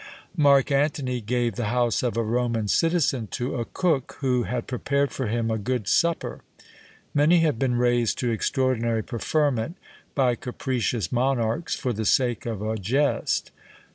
Marc Antony gave the house of a Roman citizen to a cook, who had prepared for him a good supper! Many have been raised to extraordinary preferment by capricious monarchs for the sake of a jest.